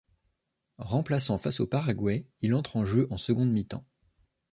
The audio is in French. Remplaçant face au Paraguay, il entre en jeu en seconde mi-temps.